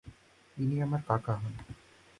ইনি আমার কাকা হন।